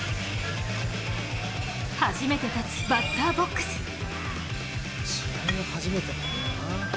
初めて立つバッターボックス。